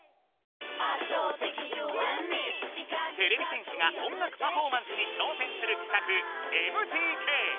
てれび戦士が音楽パフォーマンスに挑戦する企画「ＭＴＫ」。